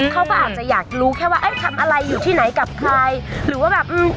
เขาก็อาจจะอยากรู้แค่ว่าเอ๊ะทำอะไรอยู่ที่ไหนกับใครหรือว่าแบบอืม